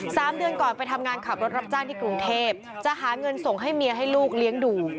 สามเดือนก่อนไปทำงานขับรถรับจ้างที่กรุงเทพจะหาเงินส่งให้เมียให้ลูกเลี้ยงดู